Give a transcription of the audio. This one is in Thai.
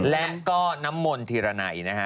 และก็น้ำมนธิระนัยนะฮะ